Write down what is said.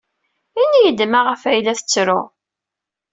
Ini-iyi-d maɣef ay la tettru.